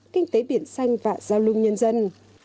kinh tế biển xanh và giao lưu nhân dân